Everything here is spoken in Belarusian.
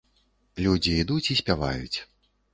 Людзі ідуць і спяваюць!